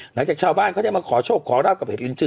หลังจากชาวบ้านเขาได้มาขอโชคขอราบกับเห็ดลินจึ